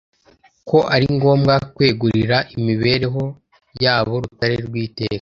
ko ari ngombwa kwegurira imibereho yabo Rutare rw’iteka